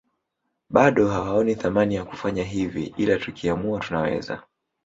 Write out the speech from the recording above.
Bado hawaoni thamani ya kufanya hivi ila tukiamua tunaweza